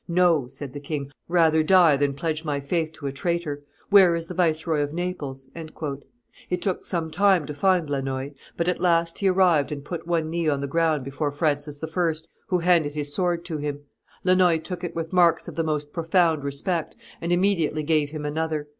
"No," said the king, "rather die than pledge my faith to a traitor where is the Viceroy of Naples?" It took some time to find Lannoy; but at last he arrived and put one knee on the ground before Francis I., who handed his sword to him. Lannoy took it with marks of the most profound respect, and immediately gave him another.